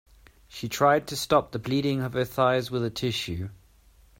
She tried to stop the bleeding of her thighs with a tissue.